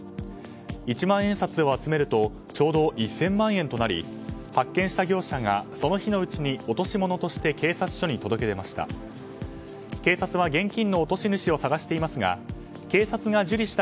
一万円札を集めるとちょうど１０００万円となり発見した業者がその日のうちに落とし物として警察署に届け出ました。